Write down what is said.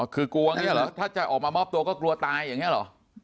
คือกลัวอย่างนี้เหรอถ้าจะออกมามอบตัวก็กลัวตายอย่างนี้เหรอ